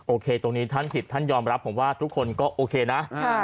โอเคตรงนี้ท่านผิดท่านยอมรับผมว่าทุกคนก็โอเคนะ